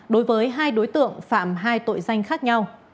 đối với hai đối tượng phạm hai tội danh khác nhau